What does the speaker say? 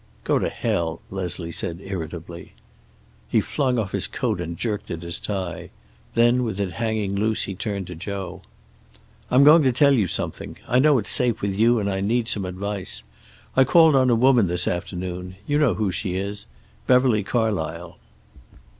"Go to hell," Leslie said irritably. He flung off his coat and jerked at his tie. Then, with it hanging loose, he turned to Joe. "I'm going to tell you something. I know it's safe with you, and I need some advice. I called on a woman this afternoon. You know who she is. Beverly Carlysle."